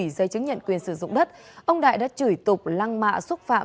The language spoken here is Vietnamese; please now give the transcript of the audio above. dụng đất ông đại đã chửi tục lăng mạ xúc phạm